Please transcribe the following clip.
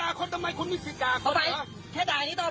ไม่ให้ด่าไม่ได้มองเป็นใครด่าไม่ได้